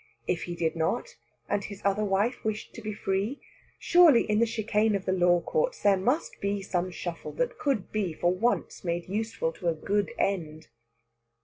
If he did not, and his other wife wished to be free, surely in the chicane of the law courts there must be some shuffle that could be for once made useful to a good end.